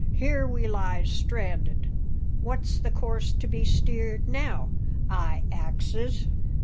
here we lies stranded. What's the course to be steered now, I axes?